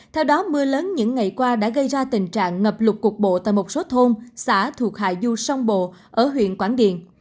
theo đó mưa lớn những ngày qua đã gây ra tình trạng ngập lục cục bộ tại một số thôn xã thuộc hải du sông bộ ở huyện quảng điện